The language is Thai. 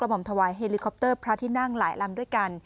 ห่อมถวายเฮลิคอปเตอร์พระที่นั่งหลายลำด้วยกัน